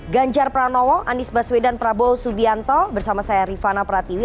ganjar pranowo anies baswedan prabowo subianto bersama saya rifana pratiwi